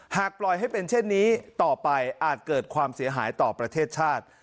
หากปล่อยให้เป็นเช่นนี้ต่อไปอาจเกิดความเสียหายต่อประเทศชาติ